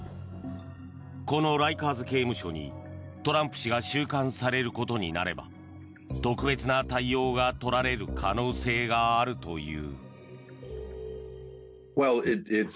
このライカーズ刑務所にトランプ氏が収監されることになれば特別な対応が取られる可能性があるという。